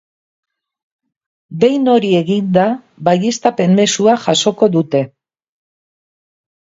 Behin hori eginda, baieztapen mezua jasoko dute.